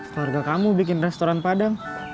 keluarga kamu bikin restoran padang